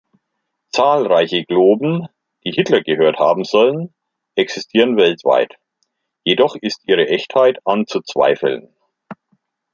Zahlreiche Globen, die Hitler gehört haben sollen, existieren weltweit, jedoch ist ihre Echtheit anzuzweifeln.